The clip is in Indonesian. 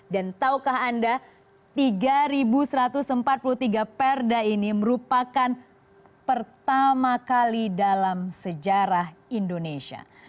dan tahukah anda tiga satu ratus empat puluh tiga perda ini merupakan pertama kali dalam sejarah indonesia